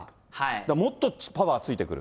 もっとパワーついてくる。